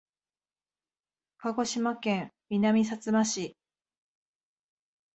鹿児島県南さつま市